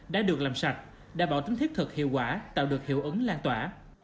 đã được làm sạch đảm bảo tính thiết thực hiệu quả tạo được hiệu ứng lan tỏa